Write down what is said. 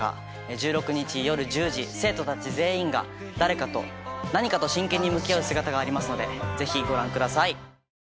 １６日夜１０時生徒たち全員が誰かと何かと真剣に向き合う姿がありますのでぜひご覧ください。